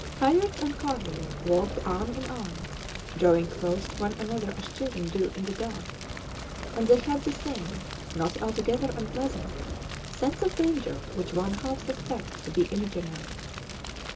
Kayerts and Carlier walked arm in arm, drawing close to one another as children do in the dark; and they had the same, not altogether unpleasant, sense of danger which one half suspects to be imaginary.